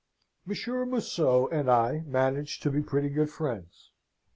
"Monsieur Museau and I managed to be pretty good friends.